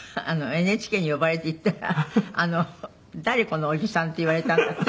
ＮＨＫに呼ばれて行ったら「誰？このおじさん」って言われたんだって？